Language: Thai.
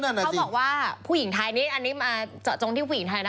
เขาบอกว่าผู้หญิงไทยนี่อันนี้มาเจาะจงที่ผู้หญิงไทยนะ